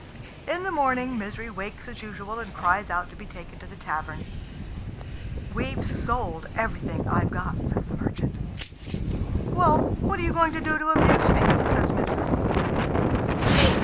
In the morning Misery wakes as usual, and cries out to be taken to the tavern. "We've sold everything I've got," says the merchant. "Well, what are you going to do to amuse me?" says Misery.